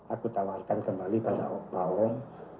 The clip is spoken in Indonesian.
aku tawarkan kembali pada oktober